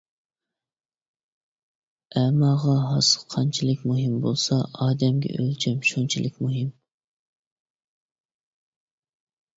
ئەماغا ھاسا قانچىلىك مۇھىم بولسا، ئادەمگە ئۆلچەم شۇنچىلىك مۇھىم.